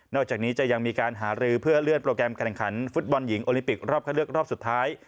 อกจากนี้จะยังมีการหารือเพื่อเลื่อนโปรแกรมการแข่งขันฟุตบอลหญิงโอลิปิกรอบเข้าเลือกรอบสุดท้าย